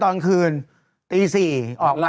เบลล่าเบลล่า